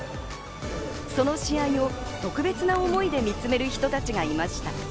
その試合を特別な思いで見つめる人たちがいました。